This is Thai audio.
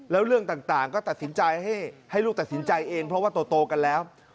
แล้วเรื่องต่างก็ตัดสินใจให้ลูกตัดสินใจเองเพราะว่าโตกันแล้ว